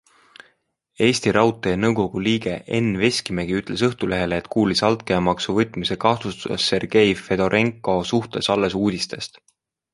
Eesti Raudtee nõukogu liige Enn Veskimägi ütles Õhtulehele, et kuulis altkäemaksu võtmise kahtlustustest Sergei Fedorenko suhtes alles uudistest.